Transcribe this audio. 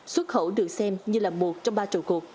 xuất khẩu được xem như là một trong ba trầu cuộc